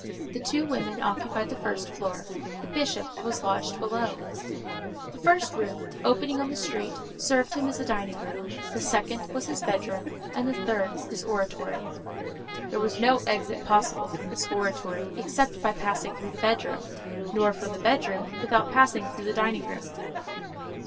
The two women occupied the first floor; the Bishop was lodged below. The first room, opening on the street, served him as dining room, the second was his bedroom, and the third his oratory. There was no exit possible from this oratory, except by passing through the bedroom, nor from the bedroom, without passing through the dining room.